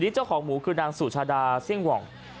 เจ้าของหมูคือนางสุชาดาเสี่ยงหว่อง